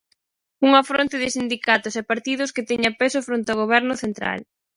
Unha fronte de sindicatos e partidos que teña peso fronte ao goberno central.